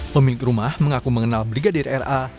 pemilik rumah mengaku mengenal brigadir ra